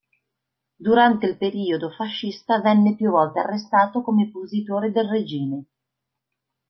Durante il periodo fascista venne più volte arrestato come oppositore del regime.